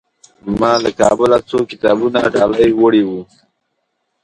ما له کابله څو کتابونه ډالۍ وړي وو.